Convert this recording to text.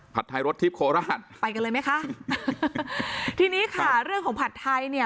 ไทยรสทิพย์โคราชไปกันเลยไหมคะทีนี้ค่ะเรื่องของผัดไทยเนี่ย